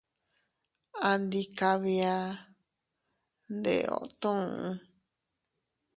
Andi kabia ndeeootuu.